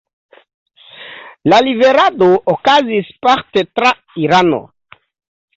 La liverado okazis parte tra Irano.